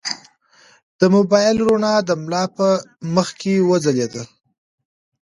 د موبایل رڼا د ملا په مخ وځلېده.